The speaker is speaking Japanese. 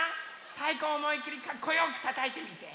たいこをおもいっきりかっこよくたたいてみて！